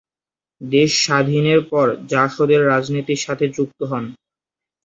দেশ স্বাধীনের পর জাসদের রাজনীতির সাথে যুক্ত হন।